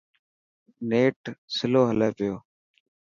نيٽ سلو هلي پيو.